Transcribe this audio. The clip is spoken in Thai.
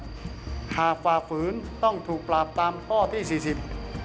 ให้ฉุดและบังคับอย่างเด็กขาดหากฝ่าฝืนต้องถูกปรับตามข้อที่สี่สิบ